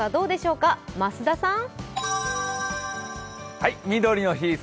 外の様子はどうでしょうか、増田さん。